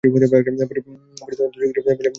পড়িতে অত্যন্ত ইচ্ছা করিল বলিয়াই পড়িল না।